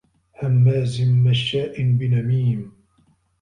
هَمّازٍ مَشّاءٍ بِنَميمٍ